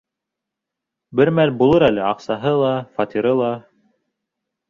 Бер мәл булыр әле аҡсаһы ла, фатиры ла...